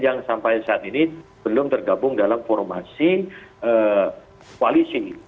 yang sampai saat ini belum tergabung dalam formasi koalisi